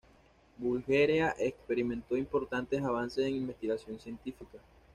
Bulgaria experimentó importantes avances en investigación científica.